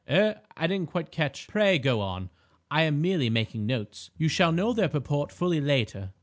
"Eh? I didn't quite catch—" "Pray, go on. I am merely making notes; you shall know their purport fully later."